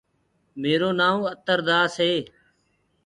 ميرو نآئونٚ اتر داس هي.